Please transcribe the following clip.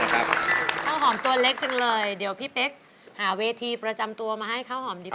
ข้าวหอมข้าวหอมตัวเล็กจังเลยเดี๋ยวพี่เป๊กหาเวทีประจำตัวมาให้ข้าวหอมดีกว่า